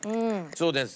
そうですね。